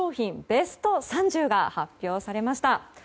ベスト３０が発表されました。